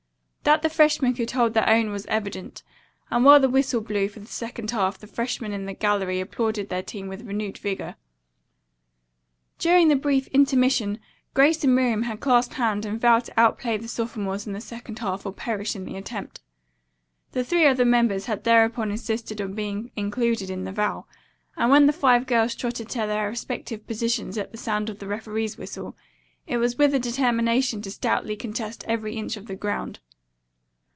That the freshmen could hold their own was evident, and when the whistle blew for the second half the freshmen in the gallery applauded their team with renewed vigor. During the brief intermission Grace and Miriam had clasped hands and vowed to outplay the sophomores in the second half or perish in the attempt. The three other members had thereupon insisted on being included in the vow, and when the five girls trotted to their respective positions at the sound of the referee's whistle, it was with a determination to stoutly contest every inch of the ground.